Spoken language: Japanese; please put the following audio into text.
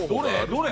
どれ？